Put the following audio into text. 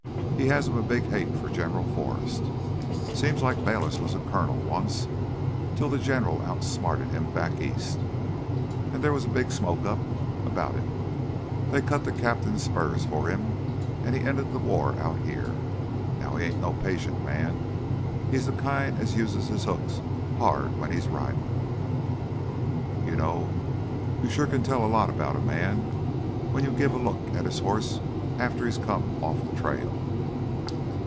He has him a big hate for General Forrest—seems like Bayliss was a colonel once till th' General outsmarted him back east. An' there was a big smoke up 'bout it. They cut th' cap'n's spurs for him, an' he ended th' war out here. Now he ain't no patient man; he's th' kind as uses his hooks hard when he's ridin'. "You know, you sure can tell a lot 'bout a man when you give a look at his hoss after he's come off th' trail.